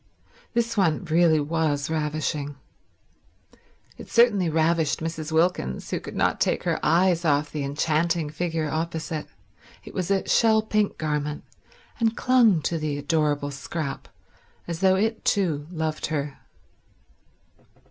This one really was ravishing. It certainly ravished Mrs. Wilkins, who could not take her eyes off the enchanting figure opposite. It was a shell pink garment, and clung to the adorable Scrap as though it, too, loved her.